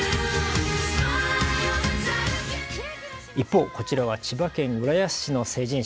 一方、こちらは千葉県浦安市の成人式。